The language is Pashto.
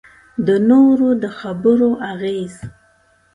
د نورو د خبرو اغېز.